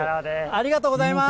ありがとうございます。